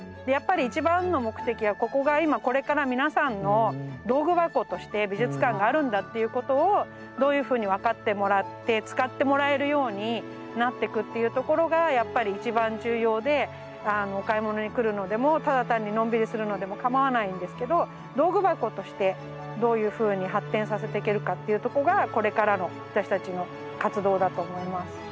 やっぱり一番の目的はここが今これから皆さんの道具箱として美術館があるんだっていうことをどういうふうに分かってもらって使ってもらえるようになってくというところがやっぱり一番重要でお買い物に来るのでもただ単にのんびりするのでもかまわないんですけど道具箱としてどういうふうに発展させてけるかというとこがこれからの私たちの活動だと思います。